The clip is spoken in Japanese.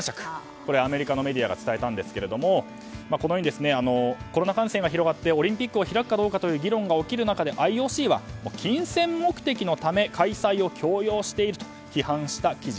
これはアメリカのメディアが伝えたんですが、このようにコロナ感染が広がってオリンピックを開くかどうか議論が起きる中でＩＯＣは金銭目的のため開催を強要していると批判した記事。